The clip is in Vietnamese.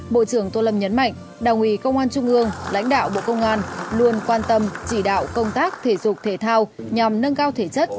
bộ trưởng tô lâm nhấn mạnh đảng ủy công an trung ương lãnh đạo bộ công an luôn quan tâm chỉ đạo công tác thể dục thể thao nhằm nâng cao thể chất